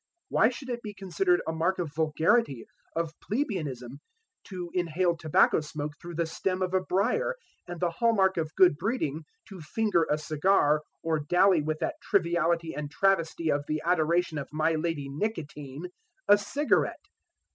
why should it be considered a mark of vulgarity, of plebeianism, to inhale tobacco smoke through the stem of a briar, and the hall mark of good breeding to finger a cigar or dally with that triviality and travesty of the adoration of My Lady Nicotine a cigarette?"